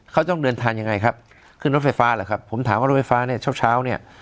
เขาต้องเดินทางยังไงครับขึ้นรถไฟฟ้าเหรอครับผมถามว่ารถไฟฟ้าเนี่ยเช้าเช้าเนี่ย